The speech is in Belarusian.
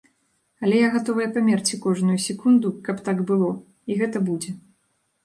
Але я гатовая памерці кожную секунду, каб так было, і гэта будзе.